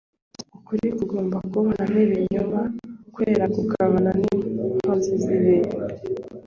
ukuri kugomba kubana n'ibinyoma, kwera kukabana n'inkozi z'ibibi.